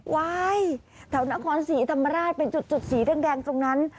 ว้ายแถวนครศรีธรรมราชเป็นจุดสีแดงตรงนั้น